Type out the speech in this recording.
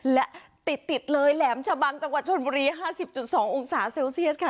และติดเลยแหลมชะบังจังหวัดชนบุรี๕๐๒องศาเซลเซียสค่ะ